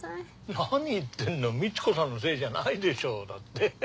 何言ってんのみち子さんのせいじゃないでしょだって。